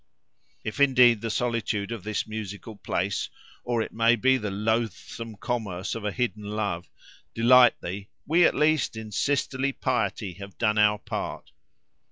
If indeed the solitude of this musical place, or it may be the loathsome commerce of a hidden love, delight thee, we at least in sisterly piety have done our part."